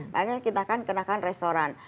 maka kita kan kenakan restoran